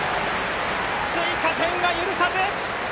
追加点は許さず！